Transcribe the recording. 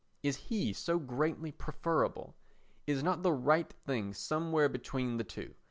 Is he so greatly preferable? Is not the right thing somewhere between the two?